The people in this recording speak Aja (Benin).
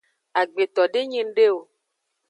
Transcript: Agbeto de nyi ngde o.